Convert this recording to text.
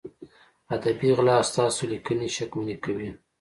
ادبي غلا ستاسو لیکنې شکمنې کوي.